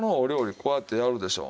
こうやってやるでしょう。